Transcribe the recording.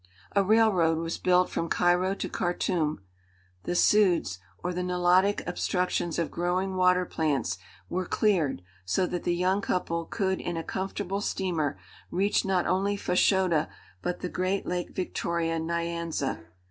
A railroad was built from Cairo to Khartûm. The "sudds," or the Nilotic obstructions of growing water plants, were cleared so that the young couple could in a comfortable steamer reach not only Fashoda but the great Lake Victoria Nyanza.